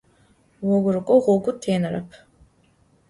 Ğogurık'o ğogu tênerep.